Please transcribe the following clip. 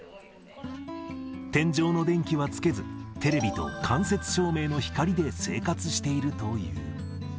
天井の電気はつけず、テレビと間接照明の光で生活しているという。